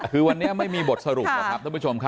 คือวันนี้ไม่มีบทสรุปหรอกครับท่านผู้ชมครับ